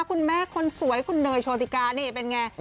คุณแม่คนสวยคุณเนยโชติกานี่เป็นไง